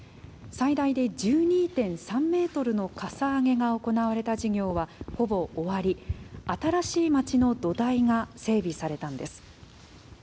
最大で１２．３メートルのかさ上げが行われた事業はほぼ終わり、新しい町の土台が整備されたんです。